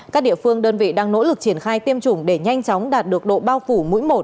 các địa phương đơn vị đang nỗ lực triển khai tiêm chủng để nhanh chóng đạt được độ bao phủ mũi một